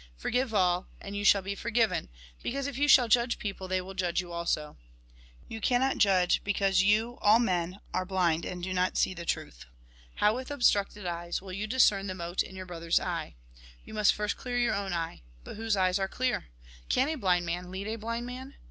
Forgive all, and you shall be for given, because if you shall judge people, they will judge you also. 54 THE GOSPEL IN BRIEF You cannot judge, because you, all men, are blind, aud do not see the truth. How, with ob structed eyes, will you discern the mote in your brother's eye ? You must first clear your own eye. But whose eyes are clear ? Can a blind man lead a blind man